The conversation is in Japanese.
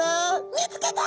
見つけた！」